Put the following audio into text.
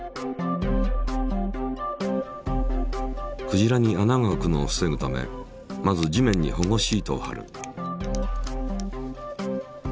クジラに穴が開くのを防ぐためまず地面に保護シートを張る。